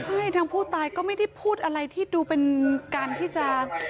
ใช่ทางผู้ตายก็ไม่ได้พูดอะไรที่ดูเป็นการที่จะ